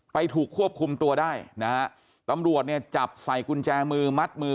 ไปถูกควบคุมตัวได้ตำรวจจับใส่กุญแจมือมัดมือ